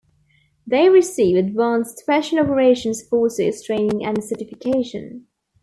They receive advanced special operations forces training and certification.